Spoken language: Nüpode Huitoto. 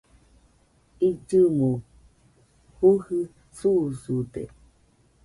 illɨmo jujɨ susude